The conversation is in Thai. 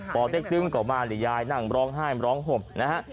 ปเต็กตึงก็มานี่ยายนั่งร้องไห้ร้องห่มนะฮะ